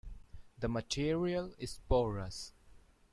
The material is porous.